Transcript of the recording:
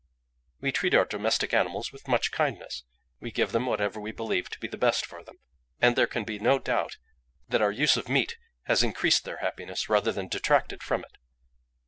We treat our domestic animals with much kindness. We give them whatever we believe to be the best for them; and there can be no doubt that our use of meat has increased their happiness rather than detracted from it.